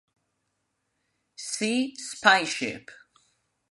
See "Spy ship".